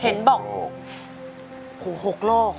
เห็นบอก๖โลก